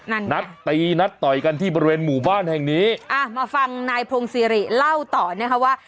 นัดตีนัดต่อยกันที่บริเวณหมู่บ้านแห่งนี้อ่ามาฟังนายพงศิริเล่าต่อนะคะว่า